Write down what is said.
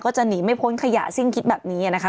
จะหนีไม่พ้นขยะซึ่งคิดแบบนี้นะคะ